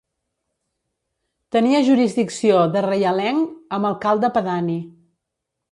Tenia jurisdicció de reialenc amb alcalde pedani.